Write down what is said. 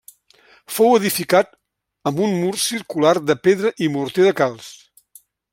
Fou edificat amb un mur circular de pedra i morter de calç.